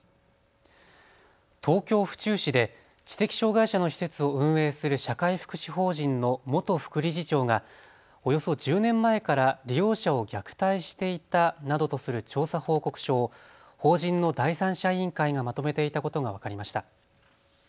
東京府中市で知的障害者の施設を運営する社会福祉法人の元副理事長がおよそ１０年前から利用者を虐待していたなどとする調査報告書を法人の第三者委員会がまとめていたことが分かりました。